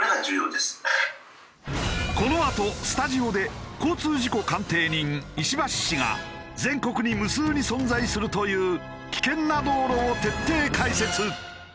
このあとスタジオで交通事故鑑定人石橋氏が全国に無数に存在するという危険な道路を徹底解説。